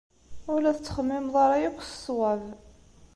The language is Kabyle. Ur la tettxemmimeḍ ara akk s ṣṣwab.